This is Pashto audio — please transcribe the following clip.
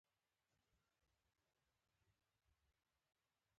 مرهټیان د دفاعي سنګر په توګه کار ورکړي.